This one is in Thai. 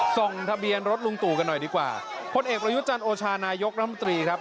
ส่งทะเบียนรถลุงตูกันหน่อยดีกว่าคนเอกรยุจรรย์โอชานายกน้ำตรีครับ